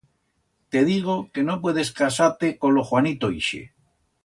Te digo que no puedes casar-te con lo Juanito ixe.